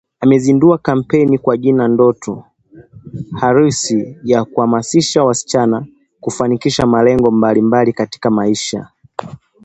amezindua kampeni kwa jina ndoto halisi ya kuhamasisha wasichana kufanikisha malengo mbalimbali katika maisha